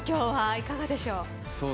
いかがでしょう？